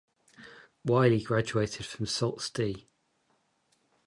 Wiley graduated from Sault Ste.